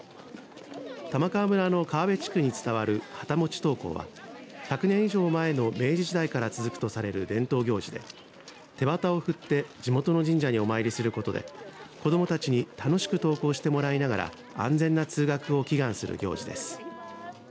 玉川村の川辺地区に伝わる旗持ち登校は１００年以上前の明治時代から続くとされる伝統行事で手旗を振って地元の神社にお参りすることで子どもたちに楽しく登校してもらいながら安全な通学を祈願する行事です。